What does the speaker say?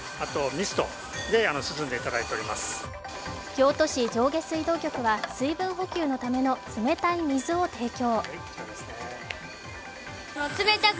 京都市上下水道局は水分補給のための冷たい水を提供。